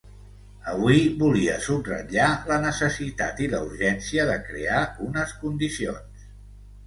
Avui volia subratllar la necessitat i la urgència de crear unes condicions.